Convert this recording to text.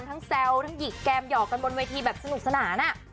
แซวทั้งหยิกแกมหยอกกันบนเวทีแบบสนุกสนาน